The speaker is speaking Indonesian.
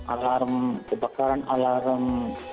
alarm kebakaran alarm